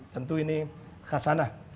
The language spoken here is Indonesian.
tentu ini khas sana